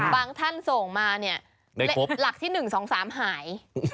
ท่านส่งมาเนี่ยหลักที่๑๒๓หาย